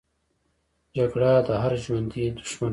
جګړه د هر ژوندي دښمنه ده